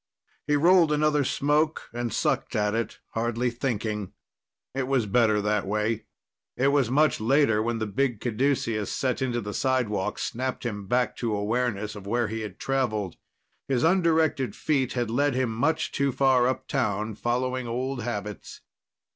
He rolled another smoke and sucked at it, hardly thinking. It was better that way. It was much later when the big caduceus set into the sidewalk snapped him back to awareness of where he'd traveled. His undirected feet had led him much too far uptown, following old habits.